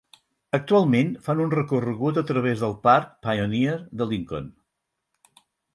Actualment fan un recorregut a través del parc Pioneer de Lincoln.